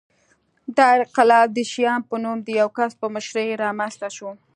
دا انقلاب د شیام په نوم د یوه کس په مشرۍ رامنځته شو